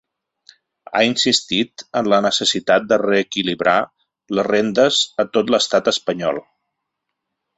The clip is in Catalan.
Ha insistit en la necessitat de reequilibrar les rendes a tot l’estat espanyol.